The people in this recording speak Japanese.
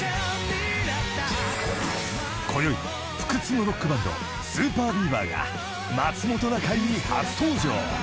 ［こよい不屈のロックバンドＳＵＰＥＲＢＥＡＶＥＲが『まつもｔｏなかい』に初登場］